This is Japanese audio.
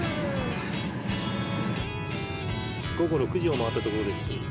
午後６時を回ったところです。